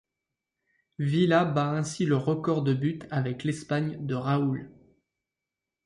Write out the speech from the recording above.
Villa bat ainsi le record de buts avec l'Espagne de Raúl.